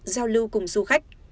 giao lưu cùng du khách